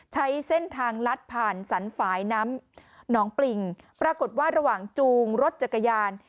ใช้เส้นทางลัดผ่านสรรฝ่ายน้ำหนองปริงปรากฏว่าระหว่างจูงรถจักรยาน